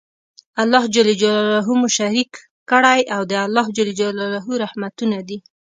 الله ج مو شريک کړی او د الله رحمتونه دي